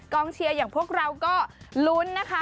เชียร์อย่างพวกเราก็ลุ้นนะคะ